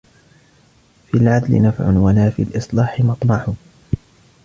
فِي الْعَذْلِ نَفْعٌ وَلَا فِي الْإِصْلَاحِ مَطْمَعٌ